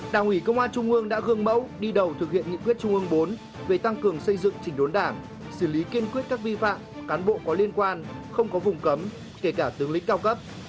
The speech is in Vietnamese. đảng ủy công an trung ương đã gương mẫu đi đầu thực hiện nghị quyết trung ương bốn về tăng cường xây dựng chỉnh đốn đảng xử lý kiên quyết các vi phạm cán bộ có liên quan không có vùng cấm kể cả tướng lĩnh cao cấp